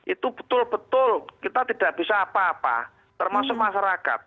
itu betul betul kita tidak bisa apa apa termasuk masyarakat